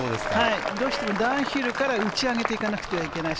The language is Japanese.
どうしてもダウンヒルから打ち上げていかなくてはいけない。